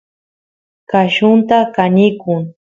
qallunta kanikun